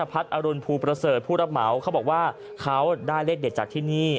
อรุณภูประเสริฐผู้รับเหมาเขาบอกว่าเขาได้เลขเด็ดจากที่นี่